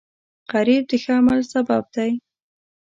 غریب د ښه عمل سبب دی